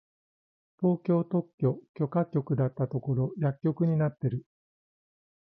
東京特許許可局だったところ薬局になってる！